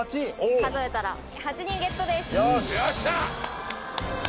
数えたら８人ゲットですよっしゃ！